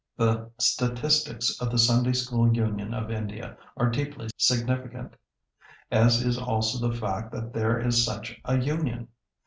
The statistics of the Sunday School Union of India are deeply significant, as is also the fact that there is such a Union.